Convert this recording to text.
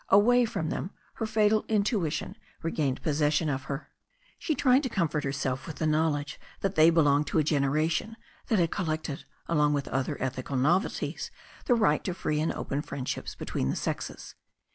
Away from them her fatal intuition regained possession of her. She tried to comfort herself with the knowledge that they belonged to a generation that had collected along with other ethical novelties the right to free and open friend ships between the sexes.